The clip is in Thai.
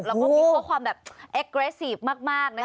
แล้วก็มีโพสต์ความแบบแอกเกรสซีฟมากนะคะรุนแรง